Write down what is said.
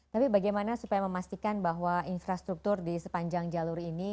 tapi bagaimana supaya memastikan bahwa infrastruktur di sepanjang jalur ini